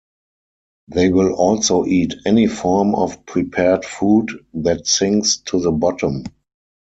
They will also eat any form of prepared food that sinks to the bottom.